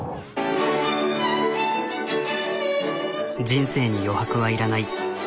人生に余白はいらない。